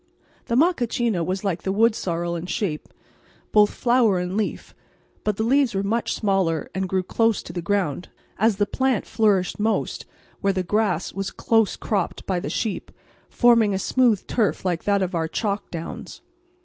The macachina was like the wood sorrel in shape, both flower and leaf, but the leaves were much smaller and grew close to the ground, as the plant flourished most where the grass was close cropped by the sheep, forming a smooth turf like that of our chalk downs.